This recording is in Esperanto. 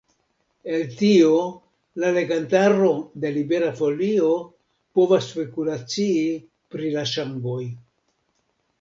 El tio la legantaro de Libera Folio povas spekulacii pri la ŝangoj.